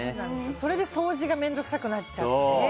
それで掃除が面倒くさくなっちゃって。